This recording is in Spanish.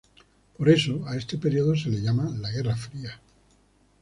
Por eso, a este período se le llama la guerra fría.